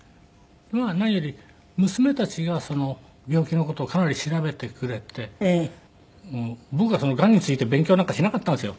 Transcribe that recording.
まあ何より娘たちが病気の事をかなり調べてくれて僕ががんについて勉強なんかしなかったんですよ。